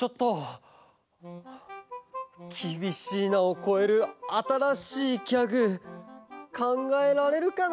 「きびしいな」をこえるあたらしいギャグかんがえられるかな。